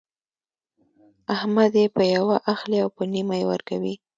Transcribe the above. احمد يې په يوه اخلي او په نيمه يې ورکوي.